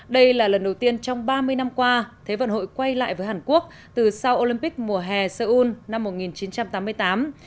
đây là lần đầu tiên trong ba mươi năm qua thế vận hội quay lại với hàn quốc từ sau olympic mùa hè seoul năm một nghìn chín trăm tám mươi tám